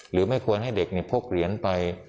หรือไม่ควรให้เด็กพกเหรียญไป